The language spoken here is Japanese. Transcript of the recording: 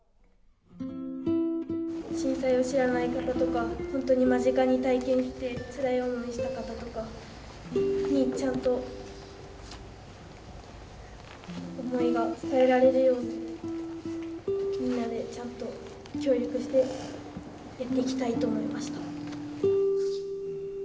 震災を知らない方とか本当に間近に体験してつらい思いした方とかにちゃんと思いが伝えられるようにみんなでちゃんと協力してやっていきたいと思いました。